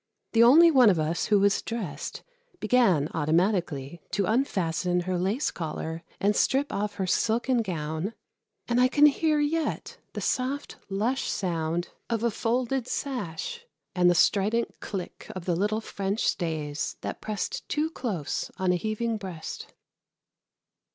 The only one of us who was dressed began automatically to unfasten her lace collar and strip off her silken gown, and I can hear yet the soft lush sound of a folded sash, and the strident click of the little French stays that pressed too close on a heaving breast.